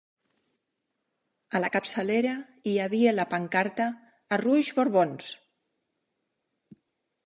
A la capçalera hi havia la pancarta ‘Arruix Borbons’.